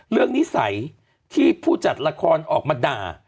นิสัยที่ผู้จัดละครออกมาด่า